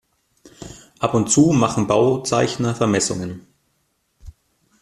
Ab und zu machen Bauzeichner Vermessungen.